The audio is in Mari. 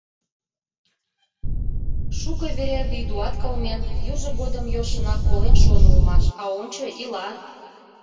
Шуко вере Вийдуат кылмен, южо годым йӧршынак колен шуын улмаш, а ончо, ила.